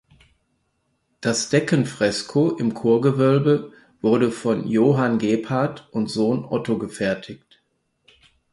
Das Deckenfresko im Chorgewölbe wurde von Johann Gebhard und Sohn Otto gefertigt.